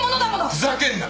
ふざけんな！